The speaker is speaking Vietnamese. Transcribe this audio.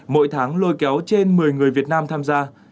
mỗi tháng lôi kéo trên một mươi người việt nam tham gia